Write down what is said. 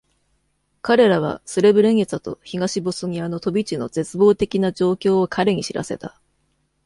彼らはスレブレニツァと東ボスニアの飛び地の絶望的な状況を彼に知らせた。